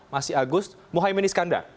masih agus muhaymin iskandar